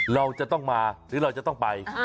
เราจะต้องมาหรือเราจะต้องไป